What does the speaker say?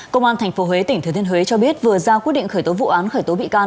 công an tp huế tỉnh thừa thiên huế cho biết vừa ra quyết định khởi tố vụ án khởi tố bị can